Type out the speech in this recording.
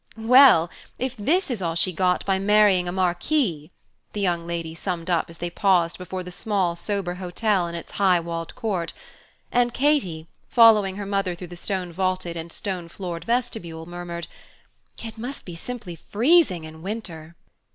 "Well, if this is all she got by marrying a Marquis!" the young lady summed up as they paused before the small sober hotel in its high walled court; and Katy, following her mother through the stone vaulted and stone floored vestibule, murmured: "It must be simply freezing in winter."